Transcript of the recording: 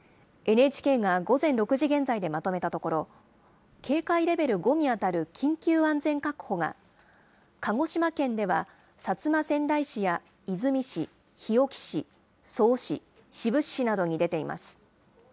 ＮＨＫが午前６時現在でまとめたところ、警戒レベル５に当たる緊急安全確保が、鹿児島県では薩摩川内市や出水市、日置市、曽於市、志布志市などに出ています。